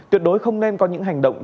tuyệt đối không nên có những hành động